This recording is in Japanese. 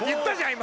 今。